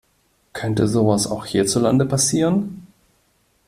Könnte sowas auch hierzulande passieren?